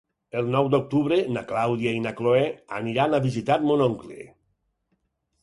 El nou d'octubre na Clàudia i na Cloè aniran a visitar mon oncle.